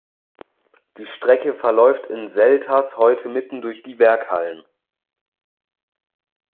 Die Strecke verläuft in Selters heute mitten durch die Werkhallen.